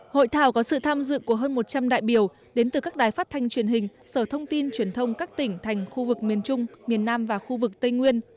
hội thảo có sự tham dự của hơn một trăm linh đại biểu đến từ các đài phát thanh truyền hình sở thông tin truyền thông các tỉnh thành khu vực miền trung miền nam và khu vực tây nguyên